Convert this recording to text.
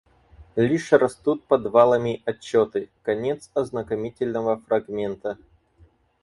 Лишь растут подвалами отчеты, Конец ознакомительного фрагмента.